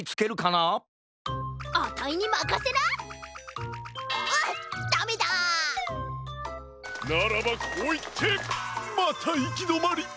ならばこういってまたいきどまり！